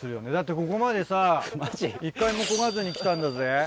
ここまでさ１回もこがずに来たんだぜ。